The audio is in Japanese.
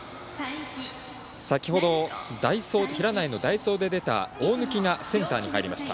先ほど平内の代走で出た大貫がセンターに入りました。